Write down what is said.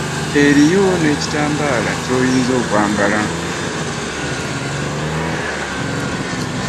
Eriyo nekitambaala kyoyinza okwambala.